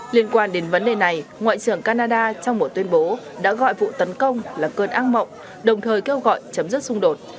liên quan đến vấn đề này ngoại trưởng canada trong một tuyên bố đã gọi vụ tấn công là cơn ác mộng đồng thời kêu gọi chấm dứt xung đột